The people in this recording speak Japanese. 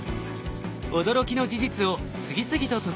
驚きの事実を次々と解き明かしています。